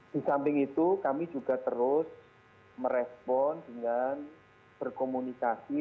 di samping itu kami juga terus merespon dengan berkomunikasi